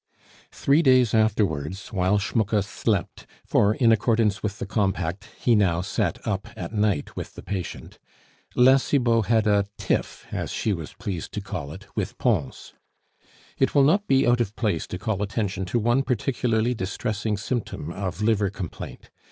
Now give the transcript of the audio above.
Three days afterwards, while Schmucke slept (for in accordance with the compact he now sat up at night with the patient), La Cibot had a "tiff," as she was pleased to call it, with Pons. It will not be out of place to call attention to one particularly distressing symptom of liver complaint.